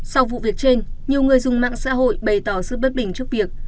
sau vụ việc trên nhiều người dùng mạng xã hội bày tỏ sự bất bình trước việc